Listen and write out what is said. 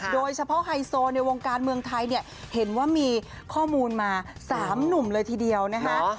ไฮโซในวงการเมืองไทยเนี่ยเห็นว่ามีข้อมูลมา๓หนุ่มเลยทีเดียวนะคะ